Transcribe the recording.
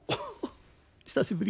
久しぶり。